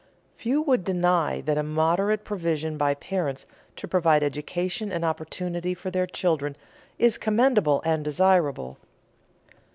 Few would deny that a moderate provision by parents to provide education and opportunity for their children is commendable and desirable.